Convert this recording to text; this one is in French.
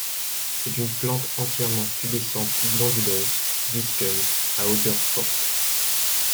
C'est une plante entièrement pubescente-glanduleuse, visqueuse, à odeur forte.